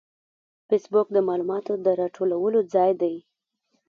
فېسبوک د معلوماتو د راټولولو ځای دی